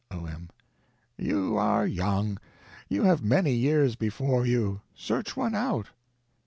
O.M. You are young. You have many years before you. Search one out.